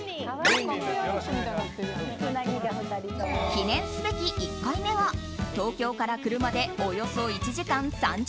記念すべき１回目は東京から車でおよそ１時間３０分。